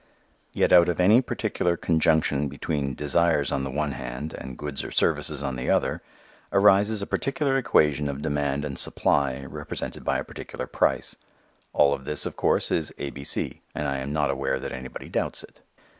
Yet out of any particular conjunction between desires on the one hand and goods or services on the other arises a particular equation of demand and supply, represented by a particular price. All of this, of course, is A. B. C., and I am not aware that anybody doubts it.